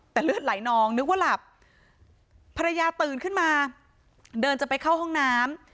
แต่เลือดไหลนองนึกว่าหลับภรรยาตื่นขึ้นมาเดินจะไปเข้าห้องน้ำ